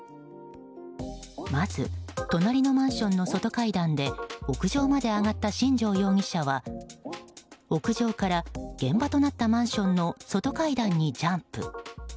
まず、隣のマンションの外階段で屋上まで上がった新城容疑者は屋上から現場となったマンションの外階段にジャンプ。